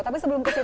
tapi sebelum kesitu